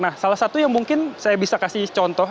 nah salah satu yang mungkin saya bisa kasih contoh